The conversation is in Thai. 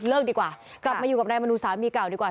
ดีกว่ากลับมาอยู่กับนายมนูสามีเก่าดีกว่า